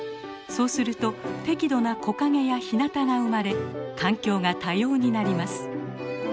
そうすると適度な木陰やひなたが生まれ環境が多様になります。